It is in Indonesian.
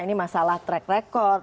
ini masalah track record